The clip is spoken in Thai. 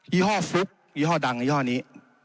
ี่ห้อฟุ๊บยี่ห้อดังยี่ห้อนี้